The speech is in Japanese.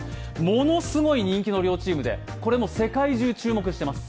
ものすごい人気の両チームで世界中が注目しています。